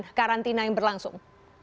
atau ada karantina yang berlangsung